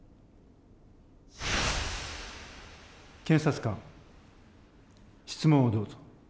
検察官質問をどうぞ。